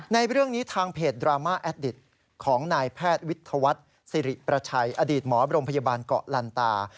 ในเรื่องนี้ทางเพจดราม่าแอดดิตของนายแพทย์วิทยาวัฒน์สิริประชัยอดีตหมอโรงพยาบาลเกาะลันตา